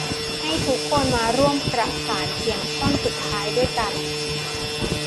ให้ทุกคนมาร่วมประสานเสียงท่อนสุดท้ายด้วยกัน